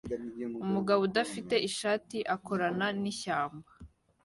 Umugabo udafite ishati akorana nishyamba